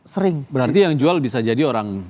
sering berarti yang jual bisa jadi orang